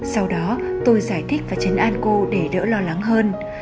sau đó tôi giải thích và chấn an cô để đỡ lo lắng hơn